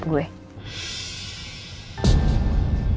kalo gue nggak peduli dia akan nge review